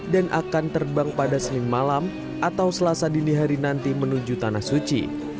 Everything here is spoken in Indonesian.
dan akan terbang pada senin malam atau selasa dini hari nanti menuju tanah suci